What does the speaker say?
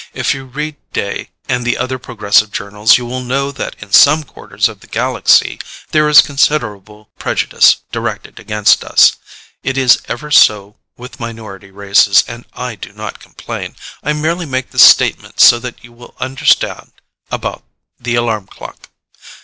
If you read Day and the other progressive journals you will know that in some quarters of the galaxy there is considerable prejudice directed against us. It is ever so with minority races, and I do not complain. I merely make this statement so that you will understand about the alarm clock.